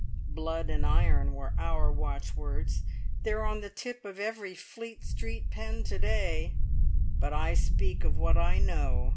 Blood and Iron were our watchwords; they're on the tip of every Fleet Street pen to day, but I speak of what I know.